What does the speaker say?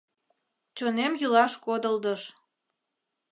Чонем йӱлаш кодылдыш.